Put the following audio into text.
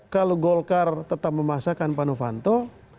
kalau golkar tetap memasakkan pano fanto